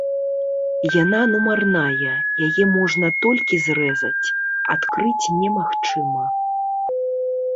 Яна нумарная, яе можна толькі зрэзаць, адкрыць немагчыма.